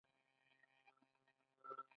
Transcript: هغې خپل عمر تا له دروبخل.